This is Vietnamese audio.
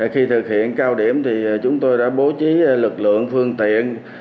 khi thực hiện cao điểm thì chúng tôi đã bố trí lực lượng phương tiện